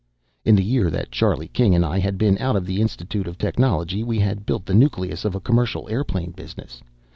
In the year that Charlie King and I had been out of the Institute of Technology, we had built the nucleus of a commercial airplane business.